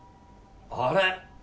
あれ？